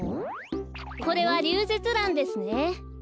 これはリュウゼツランですね。